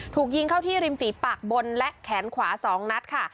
ถูกยิงเข้าที่ริมฝีปากบนและแขนขวา๒นัดค่ะ